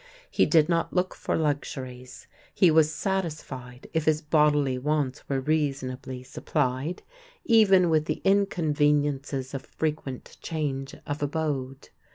He did not look for luxuries. He was satisfied, if his bodily wants were reasonably supplied, even with the inconveniences of frequent change of abode.